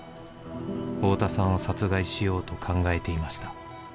「太田さんを殺害しようと考えていました」